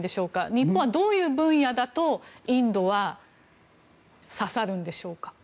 日本はどういう分野だとインドは刺さるんでしょうか。